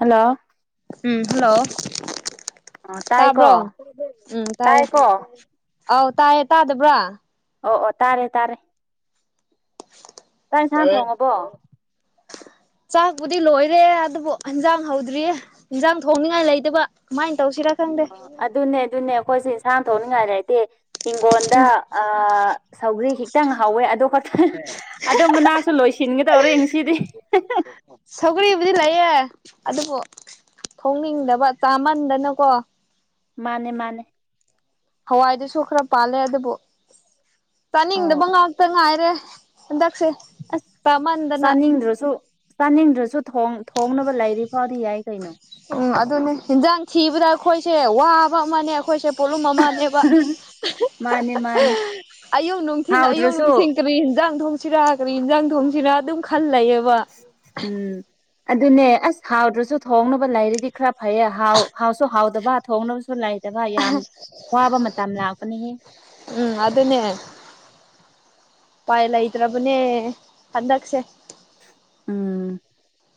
hello um hello ꯑꯣ ꯇꯥꯕ꯭ꯔꯣ ꯇꯥꯏꯀꯣ ꯎꯝ ꯇꯥꯔꯦ ꯇꯥꯏꯀꯣ ꯑꯧ ꯇꯥꯏꯌꯦ ꯇꯥꯗꯕ꯭ꯔ ꯑꯣ ꯑꯣ ꯇꯥꯔꯦ ꯇꯥꯔꯦ ꯆꯥꯛ ꯏꯟꯁꯥꯡ ꯊꯣꯡꯉꯕꯣ ꯆꯥꯛꯄꯨꯗꯤ ꯂꯣꯏꯔꯦ ꯑꯗꯨꯕꯨ ꯍꯤꯟꯖꯥꯡ ꯍꯧꯗ꯭ꯔꯤꯌꯦ ꯍꯤꯟꯖꯥꯡ ꯊꯣꯡꯅꯤꯡꯉꯥꯏ ꯂꯩꯇꯕ ꯀꯃꯥꯏꯟ ꯇꯧꯁꯤꯔꯥ ꯈꯪꯗꯦ ꯑꯣ ꯑꯗꯨꯅꯦ ꯑꯗꯨꯅꯦ ꯑꯩꯈꯣꯏꯁꯦ ꯏꯟꯁꯥꯡ ꯊꯣꯛꯅꯤꯡꯉꯥꯏ ꯂꯩꯇꯦ ꯍꯤꯡꯒꯣꯟꯗ ꯑꯥ ꯁꯧꯒ꯭ꯔꯤ ꯈꯤꯛꯇꯪ ꯍꯧꯋꯦ ꯑꯗꯨ ꯈꯛꯇꯪ ꯑꯗꯣ ꯃꯅꯥꯁꯨ ꯂꯣꯏꯁꯤꯟꯒꯗꯧꯔꯦ ꯉꯁꯤꯗꯤ ꯍꯦꯍꯦ ꯁꯧꯒ꯭ꯔꯤꯕꯨꯗꯤ ꯂꯩꯌꯦ ꯑꯗꯨꯕꯨ ꯊꯣꯡꯅꯤꯡꯗꯕ ꯆꯥꯃꯟꯗꯅꯀꯣ ꯃꯥꯅꯦ ꯃꯥꯅꯦ ꯍꯋꯥꯏꯗꯨꯁꯨ ꯈꯔ ꯄꯥꯜꯂꯦ ꯑꯗꯨꯕꯨ ꯑꯣ ꯆꯥꯅꯤꯡꯗꯕ ꯉꯥꯛꯇ ꯉꯥꯏꯔꯦ ꯍꯟꯗꯛꯁꯦ ꯑꯁ ꯆꯥꯃꯟꯗꯅ ꯆꯥꯅꯤꯡꯗ꯭ꯔꯁꯨ ꯆꯥꯅꯤꯡꯗ꯭ꯔꯁꯨ ꯊꯣꯡ ꯊꯣꯡꯅꯕ ꯂꯩꯔꯤ ꯋꯥꯗꯤ ꯌꯥꯏ ꯀꯩꯅꯣ ꯎꯝ ꯑꯗꯨꯅꯦ ꯍꯤꯟꯖꯥꯡ ꯊꯤꯕꯗ ꯑꯈꯣꯏꯁꯦ ꯋꯥꯕ ꯑꯃꯅꯦ ꯑꯈꯣꯏꯁꯦ ꯄꯣꯂꯨꯝ ꯑꯃꯅꯦꯕ ꯃꯥꯅꯦ ꯃꯥꯅꯦ [unintelligible] ꯑꯌꯨꯛ ꯅꯨꯡꯊꯤꯟ ꯑꯌꯨꯛ ꯍꯥꯎꯗ꯭ꯔꯁꯨ ꯅꯨꯡꯊꯤꯟ ꯀꯔꯤ ꯍꯤꯟꯖꯥꯡ ꯊꯣꯡ ꯁꯤꯔꯥ ꯀꯔꯤ ꯍꯤꯟꯖꯥꯡ ꯊꯣꯡꯁꯤꯔꯥ ꯑꯗꯨꯝ ꯈꯜꯂꯩꯌꯦꯕ ꯎꯝ ꯑꯗꯨꯅꯦ ꯑꯁ ꯍꯥꯎꯗ꯭ꯔꯁꯨ ꯊꯣꯡꯅꯕ ꯂꯩꯥꯔꯗꯤ ꯈꯔ ꯐꯩꯌꯦ ꯍꯥꯎ ꯍꯥꯎꯁꯨ ꯍꯥꯎꯗꯕ ꯊꯣꯡꯅꯕꯁꯨ ꯂꯩ ꯇꯕ ꯌꯥꯝ ꯋꯥꯕ ꯃꯇꯝ ꯂꯥꯛꯄꯅꯤꯍꯦ ꯎꯝ ꯑꯗꯨꯅꯦ ꯎꯄꯥꯏ ꯂꯩꯇ꯭ꯔꯕꯅꯦ ꯍꯟꯗꯛꯁꯦ ꯎꯝ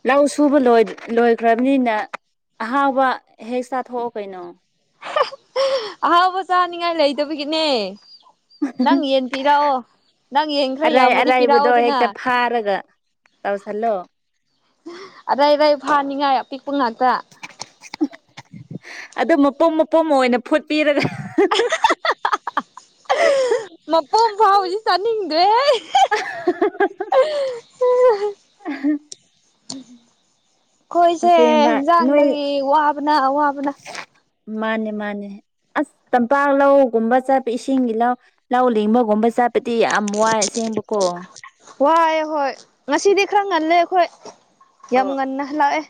ꯂꯧ ꯁꯨꯕ ꯂꯣꯏ ꯂꯣꯢꯈ꯭ꯔꯝꯅꯤꯅ ꯑꯍꯥꯎꯕ ꯍꯦꯛ ꯆꯥꯊꯣꯛꯑꯣ ꯀꯩꯅꯣ [unintelligible] ꯑꯍꯥꯎꯕ ꯆꯥꯅꯤꯉꯥꯏ ꯂꯩꯇꯕꯒꯤꯅꯦ ꯅꯪ ꯌꯦꯟ ꯄꯤꯔꯛꯑꯣ ꯅꯪ ꯌꯦꯟ ꯈꯔ ꯑꯔꯥꯏ ꯌꯥꯝꯃꯗꯤ ꯑꯔꯥꯏꯕꯗꯣ ꯄꯤꯔꯛꯑꯣꯗꯅ ꯍꯦꯛꯇ ꯐꯥꯔꯒ ꯇꯧꯁꯜꯂꯣ ꯑꯗ꯭ꯋꯥꯗꯩ ꯐꯥꯅꯤꯡꯉꯥꯏ ꯑꯄꯤꯛꯄ ꯉꯥꯛꯇ ꯑꯗꯨꯝ ꯃꯄꯨꯝ ꯃꯄꯨꯝ ꯑꯣꯏꯅ ꯐꯨꯄꯤꯔꯒ ꯃꯄꯨꯝ ꯐꯥꯎꯗꯤ ꯆꯥꯅꯤꯡꯗ꯭ꯔꯦꯍꯦ [unintelligible] ꯑꯥꯍ ꯑꯈꯣꯏꯁꯦ ꯍꯦꯡꯖꯥꯡꯗꯒꯤ ꯋꯥꯕꯅ ꯑꯋꯥꯕꯅ ꯃꯥꯅꯦ ꯃꯥꯅꯦ ꯑꯁ ꯇꯝꯄꯥꯛ ꯂꯧꯒꯨꯝꯕ ꯆꯞ ꯏꯁꯤꯡꯒꯤ ꯂꯧ ꯂꯧ ꯂꯤꯡꯕꯒꯨꯝꯕ ꯆꯞꯄꯗꯤ ꯌꯥꯝ ꯋꯥꯏ ꯑꯁꯦꯡꯕꯀꯣ ꯋꯥꯏ ꯍꯣꯏ ꯉꯁꯤꯗꯤ ꯈꯔ ꯉꯜꯂꯦ ꯑꯩꯈꯣꯏ ꯌꯥꯝ ꯑꯣ ꯉꯟꯅ ꯍꯜꯂꯛꯑꯦ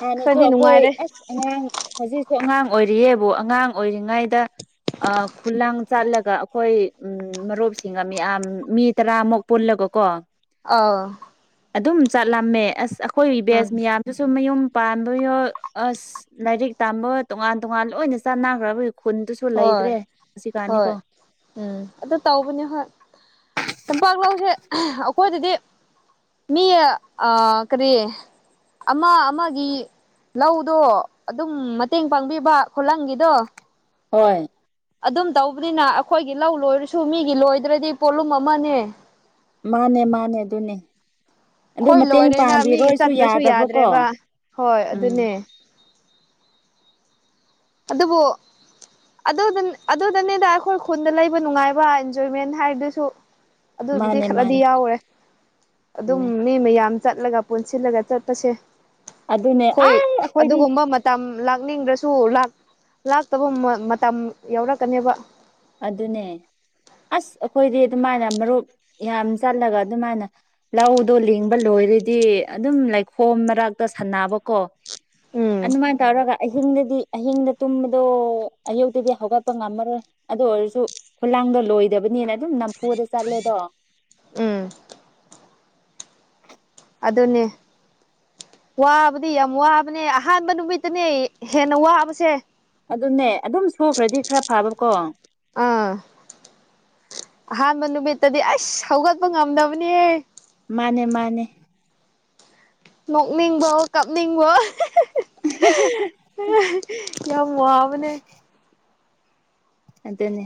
ꯍꯥꯟꯅꯁꯨ ꯈꯔꯗꯤ ꯑꯈꯣꯏ ꯅꯨꯡꯉꯥꯏꯔꯦ ꯑꯁ ꯑꯉꯥꯡ ꯍꯧꯖꯤꯛꯁꯨ ꯑꯉꯥꯡ ꯑꯣꯏꯔꯤꯌꯦꯕꯨ ꯑꯉꯥꯡ ꯑꯣꯏꯔꯤꯉꯩꯗ ꯑꯥ ꯈꯨꯂꯪ ꯆꯠꯂꯒ ꯑꯈꯣꯏ ꯎꯝ ꯃꯔꯨꯞꯁꯤꯡꯒ ꯃꯤꯌꯥꯝ ꯃꯤ ꯇꯔꯥꯃꯨꯛ ꯄꯨꯜꯂꯒꯀꯣ ꯑꯥꯎ ꯑꯗꯨꯝ ꯆꯜꯂꯝꯃꯦ ꯑꯁ ꯑꯩꯈꯣꯏ ꯎꯝ ꯕꯦꯁ ꯃꯌꯥꯝꯗꯨꯁꯨ ꯃꯌꯨꯝ ꯄꯥꯟꯕꯌꯣ ꯑꯁ ꯂꯥꯏꯔꯤꯛ ꯇꯝꯕ ꯇꯣꯉꯥꯟ ꯇꯣꯉꯥꯟ ꯂꯣꯏꯅ ꯆꯟꯅꯈ꯭ꯔꯕꯩ ꯍꯣꯏ ꯍꯣꯏ ꯎꯝ ꯑꯗꯨ ꯇꯧꯕꯅꯦ ꯍꯣꯏ ꯇꯝꯄꯥꯛ ꯂꯧꯁꯦ ꯑꯥ ꯑꯈꯣꯏꯗꯗꯤ ꯃꯤ ꯑꯥ ꯀꯔꯤ ꯑꯃ ꯑꯃꯒꯤ ꯂꯧꯗꯣ ꯑꯗꯨꯝ ꯃꯇꯦꯡ ꯄꯥꯡꯕꯤꯕ ꯈꯨꯂꯪꯒꯤꯗꯣ ꯍꯣꯏ ꯑꯗꯨꯝ ꯇꯧꯕꯅꯤꯅ ꯑꯈꯣꯢꯒꯤ ꯂꯧ ꯂꯣꯢꯔꯁꯨ ꯃꯤꯒꯤ ꯂꯣꯢꯗ꯭ꯔꯗꯤ ꯄꯣꯠꯂꯨꯝ ꯑꯃꯅꯦ ꯃꯥꯅꯦ ꯃꯥꯅꯦ ꯑꯗꯨꯅꯦ ꯑꯗꯨ ꯑꯩꯈꯣꯏ ꯃꯇꯦꯡ ꯂꯣꯏꯔꯦꯅ ꯃꯤꯒꯤ ꯄꯥꯡꯕꯤꯔꯣꯏꯁꯨ ꯆꯠꯇ꯭ꯔꯁꯨ ꯌꯥꯗꯕꯀꯣ ꯌꯥꯗ꯭ꯔꯦꯕ ꯍꯣꯏ ꯎꯝ ꯑꯗꯨꯅꯦ ꯑꯗꯨꯕꯨ ꯑꯗꯨꯗꯨ ꯑꯗꯨꯗꯅꯤꯗ ꯑꯈꯣꯢ ꯈꯨꯟꯗ ꯂꯩꯕ ꯅꯨꯡꯉꯥꯢꯕ ꯑꯦꯟꯖꯣꯢꯃꯦꯟ ꯍꯥꯢꯗꯨꯁꯨ ꯑꯗꯨꯕꯨꯗꯤ ꯃꯥꯅꯦ ꯈꯔꯗꯤ ꯃꯥꯅꯦ ꯌꯥꯎꯔꯦ ꯑꯗꯨꯝ ꯆꯨꯝꯃꯦ ꯃꯤ ꯃꯌꯥꯝ ꯆꯠꯂꯒ ꯄꯨꯟꯁꯤꯜꯂꯒ ꯆꯠꯄꯁꯦ ꯑꯗꯨꯅꯦ ꯈꯣꯢ ꯑꯩ ꯑꯩꯈꯣꯏꯗꯤ ꯑꯗꯨꯒꯨꯝꯕ [unintelligible] ꯇꯝ ꯂꯥꯛꯅꯤꯡꯗ꯭ꯔꯁꯨ ꯂꯥꯛ ꯂꯥꯛꯇꯕ ꯃ ꯃꯇꯝ ꯌꯥꯎꯔꯛꯀꯅꯦꯕ ꯑꯗꯨꯅꯦ ꯑꯁ ꯑꯩꯈꯣꯢꯗꯤ ꯑꯗꯨꯃꯥꯢꯅ ꯃꯔꯨꯞ ꯌꯥꯝ ꯆꯠꯂꯒ ꯑꯗꯨꯃꯥꯢꯅ ꯂꯧꯗꯣ ꯂꯤꯡꯕ ꯂꯣꯢꯔꯗꯤ ꯑꯗꯨꯝ ꯂꯩꯈꯣꯝ ꯃꯔꯥꯛꯇ ꯁꯥꯟꯅꯕꯀꯣ ꯎꯝ ꯑꯗꯨꯃꯥꯢꯅ ꯇꯧꯔꯒ ꯑꯍꯤꯡꯗꯗꯤ ꯑꯍꯤꯡꯗ ꯇꯨꯝꯕꯗꯣ ꯑꯌꯨꯛꯇꯗꯤ ꯍꯧꯒꯠꯄ ꯉꯝꯃꯔꯣꯢ ꯑꯗꯨ ꯑꯣꯢꯔꯁꯨ ꯈꯨꯂꯥꯡꯗꯣ ꯂꯣꯢꯗꯕꯅꯤꯅ ꯑꯗꯨꯝ ꯅꯝꯐꯨꯗ ꯆꯠꯂꯦꯗꯣ ꯎꯝ ꯑꯗꯨꯅꯦ ꯋꯥꯕꯗꯤ ꯌꯥꯝ ꯋꯥꯕꯅꯦ ꯑꯍꯥꯟꯕ ꯅꯨꯃꯤꯠꯇꯅꯦ ꯍꯦꯟꯅ ꯋꯥꯕꯁꯦ ꯑꯗꯨꯅꯦ ꯑꯗꯨꯝ ꯁꯨꯈ꯭ꯔꯗꯤ ꯈꯔ ꯐꯥꯕꯀꯣ ꯑꯥ ꯑꯍꯥꯟꯕ ꯅꯨꯃꯤꯠꯇꯗꯤ ꯑꯩꯁ ꯍꯧꯒꯠꯄ ꯉꯝꯗꯕꯅꯦ ꯃꯥꯅꯦ ꯃꯥꯅꯦ ꯅꯣꯛꯅꯤꯡꯕꯕꯣ ꯀꯞꯅꯤꯡꯕꯣ ꯌꯥꯝ ꯋꯥꯕꯅꯦ [inaudible] ꯑꯗꯨꯅꯦ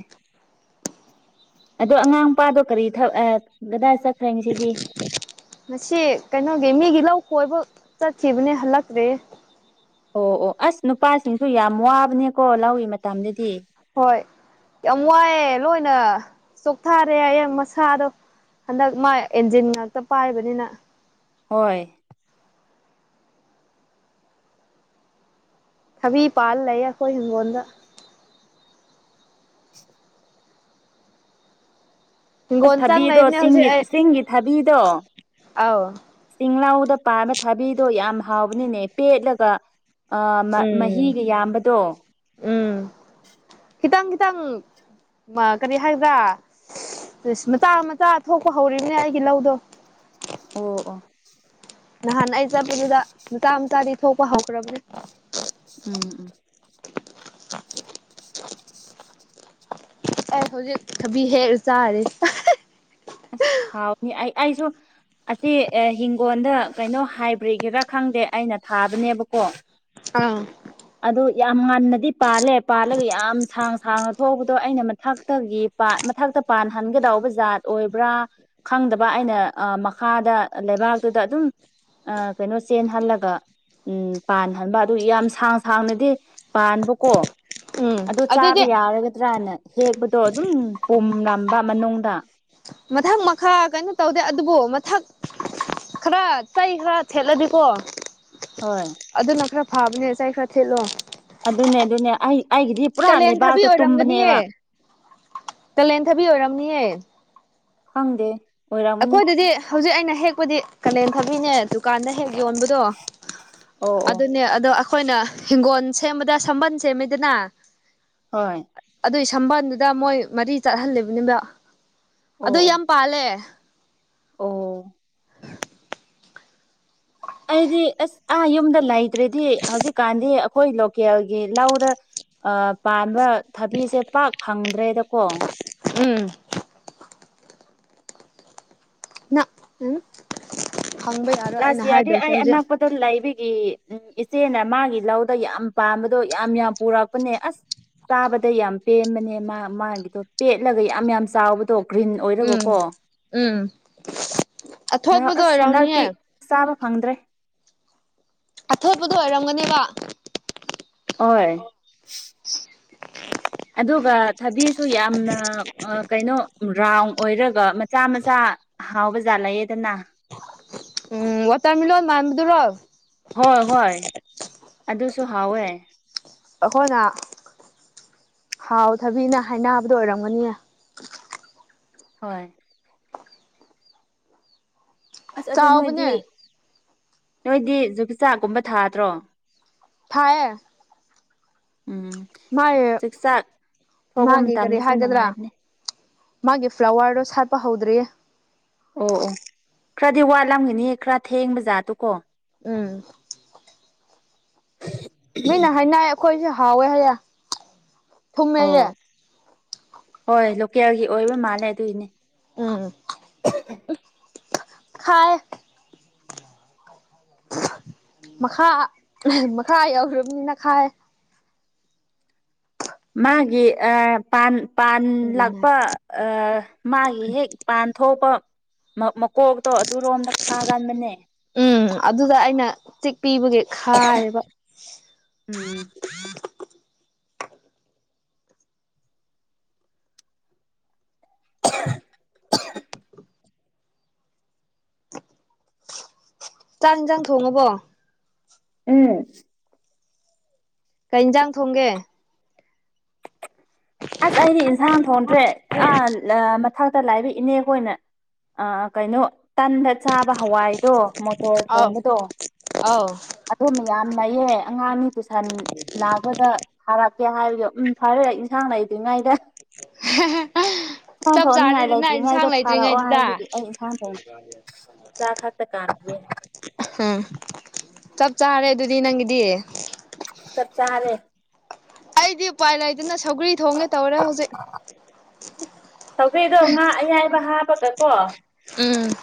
ꯑꯗꯣ ꯑꯉꯥꯡ ꯅꯨꯄꯥꯗꯣ ꯀꯔꯤ ꯊ ꯑ ꯒꯗꯥꯢ ꯆꯠꯈ꯭ꯔꯦ ꯉꯁꯤꯗꯤ ꯉꯁꯤ ꯀꯩꯅꯣꯒꯤ ꯃꯤꯒꯤ ꯂꯧ ꯈꯣꯢꯕ ꯆꯠꯈꯤꯕꯅꯦ ꯍꯜꯂꯛꯇ꯭ꯔꯤ ꯑꯣ ꯑꯣ ꯑꯁ ꯅꯨꯄꯥꯁꯤꯡꯁꯨ ꯌꯥꯝ ꯋꯥꯕꯅꯦꯀꯣ ꯂꯧꯒꯤ ꯃꯇꯝꯗꯗꯤ ꯍꯣꯢ ꯌꯥꯝ ꯋꯥꯢꯑꯦ ꯂꯣꯢꯅ ꯆꯣꯛꯊꯥꯔꯦ ꯍꯥꯢꯌꯦ ꯃꯁꯥꯗꯣ ꯍꯟꯗꯛ ꯃꯥ ꯏꯟꯖꯤꯟ ꯉꯥꯛꯇ ꯄꯥꯢꯕꯅꯤꯅ ꯍꯣꯢ ꯊꯥꯕꯤ ꯄꯥꯜ ꯂꯩꯌꯦ ꯑꯈꯣꯢ ꯍꯤꯡꯒꯣꯟꯗ [inaudible] ꯑꯁ ꯍꯤꯡꯒꯣꯜ ꯆꯪ ꯊꯥꯕꯤꯗꯣ ꯂꯩꯕꯅꯦ ꯍꯧꯖꯤꯛ ꯆꯤꯡꯒꯤ ꯑꯩ ꯆꯤꯡꯒꯤ ꯊꯥꯕꯤꯗꯣ ꯑꯧ ꯆꯤꯡꯂꯧꯗ ꯄꯥꯟꯕ ꯊꯥꯕꯤꯗꯣ ꯌꯥꯝ ꯍꯥꯎꯕꯅꯤꯅꯦ ꯄꯦꯠꯂꯒ ꯑ ꯃ ꯎꯝ ꯃꯍꯤꯒ ꯌꯥꯝꯕꯗꯣ ꯎꯝ ꯈꯤꯇꯪ ꯈꯤꯇꯪ ꯃ ꯀꯔꯤ ꯍꯥꯢꯒꯗ꯭ꯔꯥ [unintelligible] ꯃꯆꯥ ꯃꯆꯥ ꯊꯣꯛꯄ ꯍꯧꯔꯤꯕꯅꯦ ꯑꯩꯒꯤ ꯂꯧꯗꯣ ꯑꯣ ꯑꯣ ꯅꯍꯥꯟ ꯑꯩ ꯆꯠꯄꯗꯨꯗ ꯅꯨꯆꯥ ꯃꯆꯥꯗꯤ ꯊꯣꯛꯄ ꯍꯧꯈ꯭ꯔꯕꯅꯦ ꯎꯝ ꯎꯝ ꯑꯩ ꯍꯧꯖꯤꯛ ꯊꯥꯕꯤ ꯍꯦꯛ ꯆꯥꯔꯤ ꯑꯁ ꯍꯥꯎꯅꯤ ꯑꯩ ꯑꯩꯁꯨ ꯑꯁꯤ ꯍꯤꯡꯒꯣꯟꯗ ꯀꯩꯅꯣ ꯍꯥꯢꯕ꯭ꯔꯤꯒꯤꯔꯥ ꯈꯪꯗꯦ ꯑꯩꯅ ꯊꯥꯕꯅꯦꯕꯀꯣ [inaudible] ꯑꯥ ꯑꯗꯣ ꯌꯥꯝ ꯉꯟꯅꯗꯤ ꯄꯥꯜꯂꯦ ꯄꯥꯜꯂꯒ ꯌꯥꯝ ꯁꯥꯡ ꯁꯥꯡꯅ ꯊꯣꯛꯕꯗꯣ ꯑꯩꯅ ꯃꯊꯛꯇꯒꯤ ꯄꯥ ꯃꯊꯛꯇ ꯄꯥꯟꯍꯟꯒꯗꯧꯕ ꯖꯥꯠ ꯑꯣꯢꯕ꯭ꯔꯥ ꯈꯪꯗꯕ ꯑꯩꯅ ꯑ ꯃꯈꯥꯗ ꯂꯩꯕꯥꯛꯇꯨꯗ ꯑꯗꯨꯝ ꯑꯥ ꯀꯩꯅꯣ ꯆꯦꯟꯍꯜꯂꯒ ꯎꯝ ꯄꯥꯟꯍꯟꯕ ꯑꯗꯨ ꯌꯥꯝ ꯁꯥꯡ ꯁꯥꯡꯅꯗꯤ ꯄꯥꯟꯕꯀꯣ ꯎꯝ ꯑꯗꯨ ꯆꯥꯕ ꯑꯗꯨꯗꯤ ꯌꯥꯔꯒꯗ꯭ꯔꯅ ꯍꯦꯛꯄꯗꯣ ꯑꯗꯨꯝ ꯄꯨꯝꯔꯝꯕ ꯃꯅꯨꯡꯗ ꯃꯊꯪ ꯃꯈꯥ ꯀꯩꯅꯣ ꯇꯧꯗꯦ ꯑꯗꯨꯕꯨ ꯃꯊꯛ ꯈꯔ ꯇꯩ ꯈꯔ ꯊꯦꯠꯂꯗꯤꯀꯣ ꯍꯣꯏ ꯑꯗꯨꯅ ꯈꯔ ꯐꯥꯕꯅꯦ ꯆꯩ ꯈꯔ ꯊꯦꯠꯂꯣ ꯑꯗꯨꯅꯦ ꯑꯗꯨꯅꯦ ꯑꯩ ꯑꯩꯒꯤꯗꯤ ꯄꯨꯔꯥ ꯂꯩꯕꯥꯛꯇ ꯇꯨꯝꯕꯅꯦꯕ ꯀꯂꯦꯟ ꯊꯕꯤ ꯑꯣꯏꯔꯝꯅꯤꯍꯦ ꯈꯪꯗꯦ ꯑꯣꯏꯔꯝꯃꯅꯤ ꯑꯈꯣꯏꯗꯗꯤ ꯍꯧꯖꯤꯛ ꯑꯩꯅ ꯍꯦꯛꯄꯗꯤ ꯀꯥꯂꯦꯟ ꯊꯕꯤꯅꯦ ꯗꯨꯀꯥꯟꯗ ꯍꯦꯛ ꯌꯣꯟꯕꯗꯣ ꯑꯣ ꯑꯣ ꯑꯗꯨꯅꯦ ꯑꯗꯣ ꯑꯈꯣꯏꯅ ꯍꯤꯡꯒꯣꯟ ꯁꯦꯝꯕꯗ ꯁꯝꯕꯟ ꯁꯦꯝꯃꯦꯗꯅ ꯍꯣꯏ ꯑꯗꯨꯏ ꯁꯝꯕꯥꯟꯗꯨꯗ ꯃꯣꯏ ꯃꯔꯤ ꯆꯠꯍꯜꯂꯤꯝꯕꯅꯤꯕ ꯑꯣ ꯑꯗꯨ ꯑꯣ ꯌꯥꯝ ꯄꯥꯜꯂꯦ ꯑꯣ ꯑꯩꯗꯤ ꯑꯩꯁ ꯑꯥ ꯌꯨꯝꯗ ꯂꯩꯇ꯭ꯔꯦꯗꯤ ꯍꯧꯖꯤꯛꯀꯥꯟꯗꯤ ꯑꯈꯣꯏ ꯂꯣꯀꯦꯜꯒꯤ ꯂꯧꯗ ꯑꯥ ꯄꯥꯟꯕ ꯊꯕꯤꯁꯦ ꯄꯥꯛ ꯐꯪꯗ꯭ꯔꯦꯗꯀꯣ ꯎꯝ ꯅꯥ ꯎꯝ ꯐꯪꯕ ꯌꯥꯔꯣꯏ ꯑꯩꯅ ꯍꯥꯏꯗꯧꯁꯦ ꯍꯧꯖꯤꯛ ꯗꯣ ꯂꯩꯕꯒꯤ ꯎꯝ ꯏꯆꯦꯅ ꯃꯥꯒꯤ ꯂꯧꯗ ꯌꯥꯝ ꯄꯥꯝꯕꯗꯣ ꯌꯥꯝ ꯌꯥꯝ ꯄꯨꯔꯛꯄꯅꯦ ꯑꯁ ꯆꯥꯕꯗ ꯌꯥꯝ ꯄꯦꯟꯕꯅꯦ ꯃꯥ ꯃꯥꯒꯤꯗꯣ ꯄꯦꯠꯂꯒ ꯌꯥꯝ ꯌꯥꯝ ꯆꯥꯎꯕꯗꯣ ꯒ꯭ꯔꯤꯟ ꯎꯝ ꯑꯣꯏꯔꯒꯀꯣ ꯎꯝ ꯑꯣ ꯑꯊꯣꯠꯄꯗꯣ ꯑꯁ ꯑꯣꯏꯔꯝꯅꯤꯌꯦ ꯍꯟꯗꯛꯇꯤ ꯆꯥꯕ ꯐꯪꯗ꯭ꯔꯦ ꯑꯊꯣꯠꯄꯗꯣ ꯑꯣꯏꯔꯝꯒꯅꯦꯕ ꯑꯣꯏ [unintelligible] ꯑꯗꯨꯒ ꯊꯕꯤꯁꯨ ꯌꯥꯝꯅ ꯑꯥ ꯀꯩꯅꯣ ꯔꯥꯎꯟ ꯑꯣꯏꯔꯒ ꯃꯆꯥ ꯃꯆꯥ ꯍꯥꯎꯕ ꯖꯥꯠ ꯂꯩꯌꯦꯗꯅ ꯎꯝ ꯋꯥꯇꯔ ꯃꯤꯂꯣꯟ ꯃꯥꯟꯕꯗꯨꯔꯣ ꯍꯣꯏ ꯍꯣꯏ ꯑꯗꯨꯁꯨ ꯍꯥꯎꯋꯦ ꯑꯈꯣꯏꯅ ꯍꯥꯎ ꯊꯕꯤꯅ ꯍꯥꯏꯅꯕꯗꯨ ꯑꯣꯏꯔꯝꯒꯅꯤꯌꯦ ꯍꯣꯏ ꯑꯁ ꯑꯗꯣ ꯅꯣꯏꯗꯤ ꯆꯥꯎꯕꯅꯦ ꯅꯣꯏꯗꯤ ꯖꯨꯄꯤꯆꯥꯛꯀꯨꯝꯕ ꯊꯥꯗ꯭ꯔꯣ ꯊꯥꯌꯦ ꯎꯝ ꯃꯥꯢꯌꯦ ꯆꯥꯛꯆꯥꯛ ꯊꯣꯛꯄ ꯃꯥꯒꯤ ꯀꯔꯤ ꯃꯇꯝꯗꯁꯨ ꯍꯥꯏꯒꯗ꯭ꯔꯥ ꯅꯨꯡꯉꯥꯏꯕꯅꯦ ꯃꯥꯒꯤ ꯐ꯭ꯂꯥꯋꯔꯗꯣ ꯁꯥꯠꯄ ꯍꯧꯗ꯭ꯔꯤꯌꯦ ꯑꯣ ꯑꯣ ꯈ꯭ꯔꯗꯤ ꯋꯥꯠꯂꯝꯒꯅꯤ ꯈꯔ ꯊꯦꯡꯕ ꯖꯥꯠꯇꯨ ꯀꯣ ꯎꯝ [inaudible] ꯃꯤꯅ ꯍꯥꯏꯅꯥꯏ ꯑꯩꯈꯣꯏꯁꯦ ꯍꯥꯎꯋꯦ ꯍꯥꯏꯌꯦ ꯑꯣ ꯊꯨꯝꯃꯦꯌꯦ ꯍꯣꯏ ꯂꯣꯀꯦꯜꯒꯤ ꯑꯣꯏꯕ ꯃꯥꯜꯂꯦ ꯑꯗꯨꯏꯅꯦ ꯎꯝ ꯎꯞ ꯈꯥꯏ ꯃꯈꯥ ꯃꯈꯥ ꯌꯧꯈ꯭ꯔꯝꯅꯤꯅ ꯈꯥꯏꯌꯦ ꯃꯥꯒꯤ ꯑꯥ ꯄꯥꯟ ꯄꯥꯟ ꯂꯥꯛꯄ ꯑꯥ ꯃꯥꯒꯤ ꯍꯦꯛ ꯄꯥꯟ ꯊꯣꯛꯄ ꯃꯥ ꯃꯀꯣꯛꯇꯣ ꯑꯗꯨꯔꯣꯝꯗ ꯈꯥꯒꯟꯕꯅꯦ ꯎꯝ ꯑꯗꯨꯗ ꯑꯩꯅ ꯆꯤꯛꯄꯤꯕꯒꯤ ꯈꯥꯔꯦꯕ ꯎꯝ ꯆꯥꯛ ꯍꯤꯟꯖꯥꯡ ꯊꯣꯡꯉꯕꯣ ꯎꯝ ꯀꯩ ꯏꯟꯖꯥꯡ ꯊꯣꯡꯒꯦ ꯑꯁ ꯑꯩꯗꯤ ꯏꯟꯁꯥꯡ ꯊꯣꯡꯗ꯭ꯔꯦ ꯑꯥ ꯂ ꯃꯊꯛꯇ ꯂꯥꯢꯔꯤ ꯏꯅꯦꯈꯣꯏꯅ ꯑꯥ ꯀꯩꯅꯣ ꯇꯟꯗ ꯆꯥꯕ ꯍꯋꯥꯏꯗꯣ ꯃꯣꯇꯣꯔ ꯑꯥꯎ ꯊꯣꯡꯕꯗꯣ ꯑꯧ ꯑꯗꯨ ꯃꯌꯥꯝ ꯅꯩꯌꯦ ꯑꯉꯥꯡꯅꯤ ꯇꯨꯁꯟ ꯂꯥꯛꯒꯗ ꯊꯔꯛꯀꯦ ꯍꯥꯏꯕꯗꯣ ꯎꯝ ꯐꯥꯔꯦ ꯏꯟꯁꯥꯡ ꯂꯩꯇ꯭ꯔꯤꯉꯩꯗ [unintelligible] ꯁꯥꯡ ꯆꯞ ꯊꯣꯡꯅꯤꯡꯉꯥꯏ ꯆꯥꯔꯦꯗꯅ ꯏꯟꯁꯥꯡ ꯂꯩꯇ꯭ꯔꯤꯉꯩꯗ ꯊꯥꯔꯛꯑꯣ ꯂꯩꯇ꯭ꯔꯤꯉꯩꯗꯨꯗ ꯍꯥꯏꯕꯒꯤ ꯑꯩ ꯏꯟꯁꯥꯡ ꯊꯣꯡ ꯆꯥꯛ ꯈꯛꯇ ꯀꯥꯝꯃꯤꯌꯦ ꯑꯍꯝ ꯆꯞ ꯆꯥꯔꯦ ꯑꯗꯨꯗꯤ ꯅꯪꯒꯤꯗꯤ ꯆꯞ ꯆꯥꯔꯦ ꯑꯩꯗꯤ ꯎꯄꯥꯏ ꯂꯩꯇꯅ ꯁꯧꯒ꯭ꯔꯤ ꯊꯣꯡꯒꯦ ꯇꯧꯔꯦ ꯍꯧꯖꯤꯛ ꯁꯧꯒ꯭ꯔꯤꯗꯣ ꯉꯥ ꯑꯌꯥꯏꯕ ꯍꯥꯞꯄꯒꯀꯣ ꯎꯝ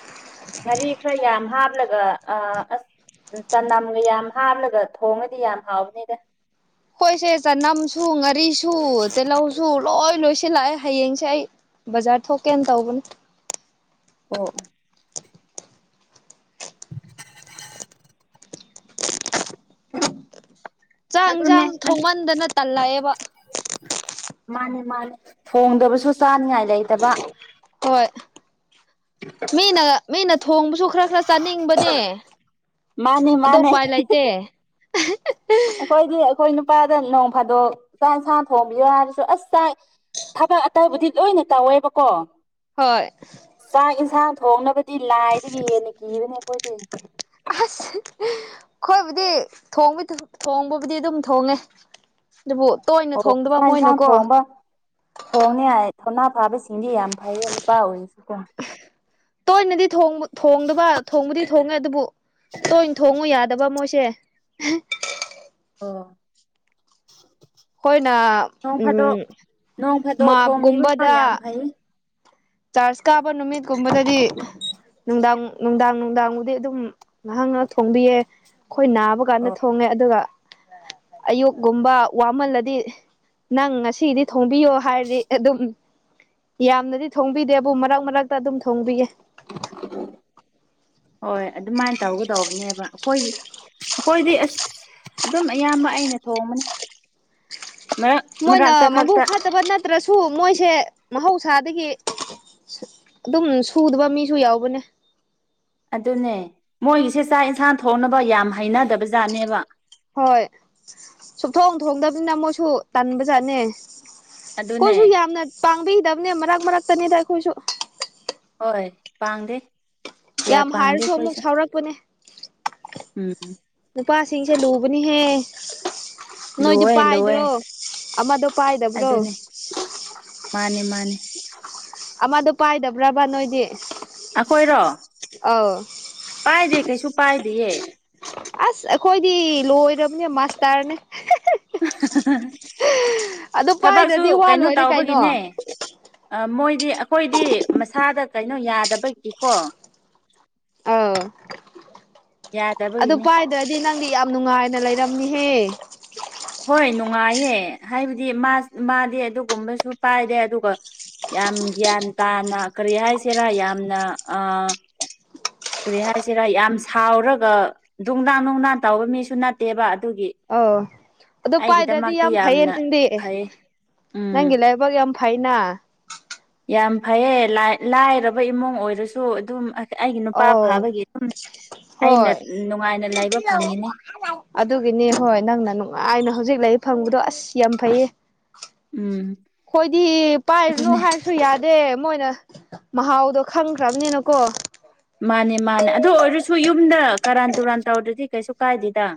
ꯉꯥꯔꯤ ꯈ꯭ꯔ ꯌꯥꯝ ꯍꯥꯞꯂꯒ ꯑꯥ ꯑꯁ ꯎꯝ ꯇꯅꯝꯒ ꯌꯥꯝ ꯍꯥꯞꯂꯒ ꯊꯣꯡꯉꯗꯤ ꯌꯥꯝ ꯍꯥꯎꯕꯅꯤꯗ ꯈꯣꯏꯁꯦ ꯆꯅꯝꯁꯨ ꯉꯔꯤꯁꯨ ꯇꯦꯜꯂꯧꯁꯨ ꯂꯣꯏ ꯂꯣꯏꯁꯤꯜꯂꯛꯑꯦ ꯍꯌꯦꯡꯁꯦ ꯑꯩ ꯕꯥꯖꯥꯔ ꯊꯣꯛꯀꯦꯅ ꯇꯧꯕꯅꯤ ꯑꯣ [unintelligible] ꯆꯥꯛ ꯑꯗꯨꯅꯦ ꯢꯟꯖꯥꯡ ꯑꯁ ꯊꯣꯡꯃꯟꯗꯅ ꯇꯜꯂꯛꯑꯦꯕ ꯃꯥꯅꯦ ꯃꯥꯅꯦ ꯊꯣꯡꯗꯕꯁꯨ ꯆꯥꯅꯤꯉꯥꯏ ꯂꯩꯇꯕ ꯍꯣꯏ ꯃꯤꯅ ꯃꯤꯅ ꯊꯣꯡꯕꯁꯨ ꯈꯔ ꯈꯔ ꯆꯥꯅꯤꯡꯕꯅꯦ ꯃꯥꯅꯤ ꯃꯥꯅꯦ ꯇꯦ [unintelligible] ꯑꯈꯣꯏꯗꯤ ꯑꯩꯈꯣꯏ ꯅꯨꯄꯥꯗ ꯅꯣꯡ ꯐꯥꯗꯣꯛ ꯆꯥꯛ ꯢꯟꯁꯥꯡ ꯊꯣꯡꯕꯤꯌꯣ ꯍꯥꯏꯔꯁꯨ ꯑꯁ ꯆꯥꯢ ꯊꯕꯛ ꯑꯇꯩꯕꯨꯗꯤ ꯂꯣꯏꯅ ꯇꯧꯋꯦꯕꯀꯣ ꯍꯣꯏ ꯆꯥꯛ ꯢꯟꯁꯥꯡ ꯊꯣꯡꯅꯕꯗꯤ ꯂꯥꯏꯗꯒꯤ ꯍꯦꯟꯅ ꯀꯤꯕꯅꯦ ꯑꯈꯣꯏꯗꯤ ꯑꯁ ꯈꯣꯏꯕꯨꯗꯤ ꯊꯣꯡꯕ ꯊꯣ ꯊꯣꯡꯕꯕꯨꯗꯤ ꯗꯨꯝ ꯊꯣꯡꯉꯦ ꯗꯨꯕꯨ ꯇꯣꯏꯅ ꯑꯣ ꯊꯣꯡꯗꯕ ꯃꯣꯏꯅꯀꯣ ꯊꯣꯡꯅꯤꯉꯥꯢ ꯊꯧꯅꯥ ꯐꯥꯕꯁꯤꯡꯗꯤ ꯌꯥꯝ ꯐꯩꯌꯦ ꯅꯨꯄꯥ ꯑꯣꯏꯔꯁꯨꯀꯣ ꯇꯣꯏꯅꯗꯤ ꯊꯣꯡ ꯊꯣꯡꯗꯕ ꯊꯣꯡꯕꯨꯗꯤ ꯊꯣꯡꯉꯦ ꯑꯗꯨꯕꯨ ꯇꯣꯏꯟ ꯊꯣꯡꯉꯨ ꯌꯥꯗꯕ ꯃꯣꯏꯁꯦ ꯑꯣ ꯑꯩꯈꯣꯏꯅ ꯅꯣꯡ ꯐꯥꯗꯣꯛ ꯎꯝ ꯅꯣꯡ ꯐꯥꯗꯣꯛ ꯊꯣꯡꯕꯤꯕ ꯌꯥꯝ ꯃꯥꯞꯒꯨꯝꯕꯗ ꯐꯩ ꯆꯥꯔꯖ ꯀꯥꯕ ꯅꯨꯃꯤꯠ ꯀꯨꯝꯕꯗꯗꯤ ꯅꯨꯡꯗꯥꯡ ꯅꯨꯡꯗꯥꯡ ꯅꯨꯡꯗꯥꯡꯕꯨꯗꯤ ꯑꯗꯨꯝ ꯉꯍꯥꯛ ꯉꯍꯥꯛ ꯊꯣꯡꯕꯤꯌꯦ ꯈꯣꯏ ꯅꯥꯕ ꯀꯥꯟꯗ ꯑꯣ ꯊꯣꯡꯉꯦ ꯑꯗꯨꯒ ꯑꯌꯨꯛꯀꯨꯝꯕ ꯋꯥꯃꯜꯂꯗꯤ ꯅꯪ ꯉꯁꯤꯒꯤꯗꯤ ꯊꯣꯡꯕꯤꯌꯣ ꯍꯥꯏꯔꯗꯤ ꯑꯗꯨꯝ ꯌꯥꯝꯅꯗꯤ ꯊꯣꯡꯕꯤꯗꯦꯕꯨ ꯃꯔꯛ ꯃꯔꯛꯇ ꯑꯗꯨꯝ ꯊꯣꯡꯕꯤꯌꯦ [unintelligible] ꯍꯣꯏ ꯑꯗꯨꯃꯥꯏꯟ ꯇꯧꯒꯗꯧꯕꯅꯦꯕ ꯑꯈꯣꯏꯗꯤ ꯑꯈꯣꯏꯗꯤ ꯑꯁ ꯑꯗꯨꯝ ꯑꯌꯥꯝꯕ ꯑꯩꯅ ꯊꯣꯡꯕꯅꯤ ꯃꯔꯛ ꯃꯣꯏꯅ ꯃꯔꯛꯇ ꯃꯕꯨꯛ ꯈꯛꯇ ꯐꯠꯇꯕ ꯅꯠꯇ꯭ꯔꯁꯨ ꯃꯣꯏꯁꯦ ꯃꯍꯧꯁꯥꯗꯒꯤ ꯑꯗꯨꯝ ꯁꯨꯗꯕ ꯃꯤꯁꯨ ꯌꯥꯎꯕꯅꯦ ꯑꯗꯨꯅꯦ ꯃꯣꯏꯒꯤꯁꯦ ꯆꯥꯛ ꯑꯦꯟꯁꯥꯡ ꯊꯣꯡꯅꯕ ꯌꯥꯝ ꯍꯩꯅꯗꯕ ꯖꯥꯠꯅꯦꯕ ꯍꯣꯏ ꯁꯨꯞ ꯊꯣꯡ ꯊꯣꯡꯗꯕꯅꯤꯅ ꯃꯣꯏꯁꯨ ꯇꯟꯕꯖꯠꯅꯦ ꯑꯗꯨꯅꯦ ꯀꯣꯏꯁꯨ ꯌꯥꯝꯅ ꯇꯥꯡꯕꯤꯗꯕꯅꯦ ꯃꯔꯛ ꯃꯔꯛꯇꯅꯤꯗ ꯑꯩꯈꯣꯏꯁꯨ ꯍꯣꯏ ꯄꯥꯡꯗꯦ ꯀ꯭ꯌꯥ ꯌꯥꯝ ꯄꯥꯡꯗꯦ ꯍꯥꯏꯔꯁꯨ ꯑꯃꯨꯛ ꯈꯣꯏꯁꯨ ꯁꯥꯎꯔꯛꯄꯅꯦ ꯎꯝ ꯅꯨꯄꯥꯁꯤꯡꯁꯦ ꯂꯨꯕꯅꯤꯍꯦ ꯅꯣꯏꯗꯤ ꯂꯨꯋꯦ ꯂꯨꯋꯦ ꯄꯥꯏꯗ꯭ꯔꯣ ꯑꯃꯗꯣ ꯄꯥꯏꯗꯕ꯭ꯔꯣ ꯑꯗꯨꯅꯦ ꯃꯥꯅꯤ ꯃꯥꯅꯤ [inaudible] ꯑꯃꯗꯨ ꯄꯥꯏꯗꯕ꯭ꯔꯕ ꯅꯣꯏꯗꯤ ꯑꯈꯣꯏꯔꯣ ꯑꯧ ꯄꯥꯏꯗꯦ ꯀꯩꯁꯨ ꯄꯥꯏꯗꯤꯌꯦ ꯑꯁ ꯑꯈꯣꯏꯗꯤ ꯂꯣꯏꯔꯕꯅꯦ ꯃꯥꯁꯇꯔꯅꯦ ꯑꯗꯨ ꯊꯕꯛꯁꯨ ꯄꯥꯏꯗ꯭ꯔꯗꯤ ꯋꯥ ꯂꯣꯏꯔꯦ ꯀꯩꯅꯣ ꯑ ꯃꯣꯏꯗꯤ ꯑꯩꯈꯣꯏꯗꯤ ꯃꯁꯥꯒ ꯀꯩꯅꯣ ꯌꯥꯗꯕꯒꯤꯀꯣ ꯑꯧ ꯑꯗꯨ ꯌꯥꯗꯕꯒꯤꯅꯤ ꯄꯥꯏꯗ꯭ꯔꯗꯤ ꯅꯪꯗꯤ ꯌꯥꯝ ꯅꯨꯡꯉꯥꯏꯅ ꯂꯩꯔꯝꯅꯤꯍꯦ ꯍꯣꯏ ꯅꯨꯡꯉꯥꯏꯌꯦ ꯍꯥꯏꯕꯗꯤ ꯃꯥꯁ ꯃꯥꯗꯤ ꯑꯗꯨꯒꯨꯝꯕꯁꯨ ꯄꯥꯏꯗꯦ ꯑꯗꯨꯒ ꯌꯥꯝ ꯒ꯭ꯌꯥꯟ ꯇꯥꯅ ꯀꯔꯤ ꯍꯥꯏꯁꯤꯔꯥ ꯌꯥꯝꯅ ꯑ ꯀꯔꯤ ꯍꯥꯏꯁꯤꯔ ꯌꯥꯝ ꯁꯥꯎꯔꯒ ꯗꯨꯨꯡꯗꯥꯡ ꯗꯨꯡꯗꯥꯡ ꯇꯥꯎꯕ ꯃꯤꯁꯨ ꯅꯠꯇꯦꯕ ꯑꯗꯨꯒꯤ ꯑꯣ ꯑꯗꯨ ꯄꯥꯏꯗ꯭ꯔꯗꯤ ꯑꯩꯒꯤꯗꯃꯛꯇꯤ ꯌꯥꯝ ꯐꯩꯌꯦ ꯌꯥꯝꯅ ꯅꯪꯗꯤ ꯐꯩ ꯎꯝ ꯅꯪꯒꯤ ꯂꯥꯏꯐ ꯕꯛ ꯌꯥꯝ ꯐꯩꯅ ꯌꯥꯝ ꯐꯩꯌꯦ ꯂꯥꯢ ꯂꯥꯏꯔꯕ ꯏꯃꯨꯡ ꯑꯣꯏꯔꯁꯨ ꯑꯗꯨꯝ ꯑꯩꯒꯤ ꯅꯨꯄꯥ ꯑꯧ ꯐꯥꯕꯒꯤ ꯑꯗꯨꯝ ꯑꯩꯅ ꯍꯣꯏ ꯅꯨꯡꯉꯥꯏꯅ ꯂꯩꯕ ꯐꯪꯉꯤꯅꯤ ꯑꯗꯨꯒꯤꯅꯦ ꯍꯣꯏ ꯅꯪꯅ ꯅꯨꯡꯉꯥꯏꯅ ꯍꯧꯖꯤꯛ ꯂꯩ ꯐꯪꯕꯗꯣ ꯑꯁ ꯌꯥꯝ ꯐꯩꯌꯦ ꯎꯝ ꯈꯣꯏꯗꯤ ꯄꯥꯏꯔꯅꯨ ꯑꯗꯨꯅꯦ ꯍꯥꯏꯔꯁꯨ ꯌꯥꯗ ꯗꯦ ꯃꯣꯏꯅ ꯃꯍꯥꯎꯗꯣ ꯈꯪꯈ꯭ꯔꯕꯅꯤꯅꯀꯣ ꯃꯥꯅꯦ ꯃꯥꯅꯦ ꯑꯗꯨ ꯑꯣꯏꯔꯁꯨ ꯌꯨꯝꯗ ꯀꯔꯥꯟ ꯇꯨꯔꯥꯟ ꯇꯧꯗꯗꯤ ꯀꯩꯁꯨ ꯀꯥꯏꯗꯦꯗ